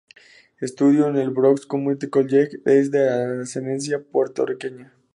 Estudió en el Bronx Community College y es de ascendencia puertorriqueña.